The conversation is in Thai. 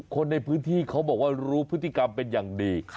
คนในพื้นที่เขาบอกว่ารู้พฤติกรรมเป็นอย่างดี